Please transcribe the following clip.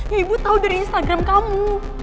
ya ibu tahu dari instagram kamu